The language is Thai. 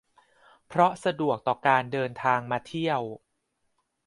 เพราะสะดวกต่อการเดินทางมาเที่ยว